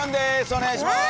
お願いします。